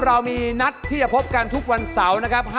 เรามีนัดที่จะพบกันทุกวันเสาร์นะครับ